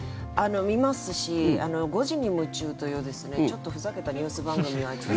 見ますし「５時に夢中！」というちょっとふざけたニュース番組がありまして。